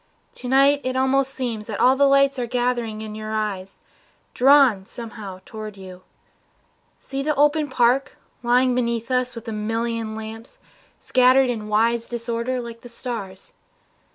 To night it almost seems That all the lights are gathered in your eyes, Drawn somehow toward you. See the open park Lying below us with a million lamps Scattered in wise disorder like the stars.